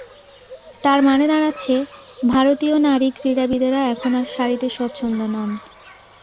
তার মানে দাঁড়াচ্ছে, ভারতীয় নারী ক্রীড়াবিদেরা এখন আর শাড়িতে স্বচ্ছন্দ নন।